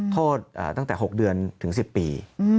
ตั้งแต่๖เดือนถึง๑๐ปี